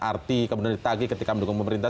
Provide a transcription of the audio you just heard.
arti kebenaran di tagi ketika mendukung pemerintah